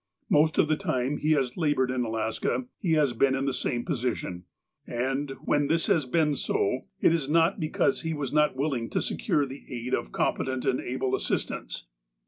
Most of the time he has laboured in Alaska, he has been in the same position. And, when this has been so, it is not because he was not willing to secui'e the aid of competent and able assistants.